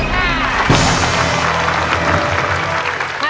ใช้ค่ะใช้ค่ะ